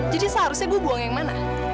jadi seharusnya gue buang yang mana